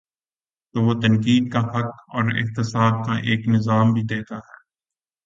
تو وہ تنقیدکا حق اور احتساب کا ایک نظام بھی دیتا ہے۔